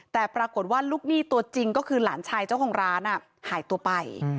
แต่ปรากฏว่าลูกหนี้ตัวจริงก็คือหลานชายเจ้าของร้านหายตัวไป